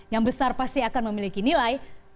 yang besar pasti akan memiliki nilai